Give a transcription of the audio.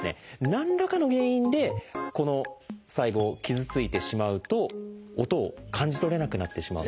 何らかの原因でこの細胞傷ついてしまうと音を感じ取れなくなってしまうんです。